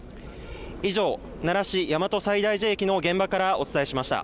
以上、奈良市大和西大寺駅の現場からお伝えしました。